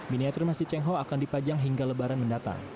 miniatur masjid cheng ho akan dipajang hingga lebaran mendatang